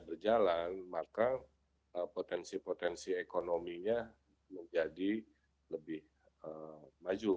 berjalan maka potensi potensi ekonominya menjadi lebih maju